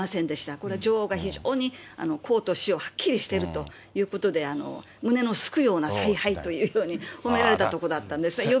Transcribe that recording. これ、女王が非常に公と私をはっきりしてると、胸のすくようなさい配というように、褒められたところだったんです。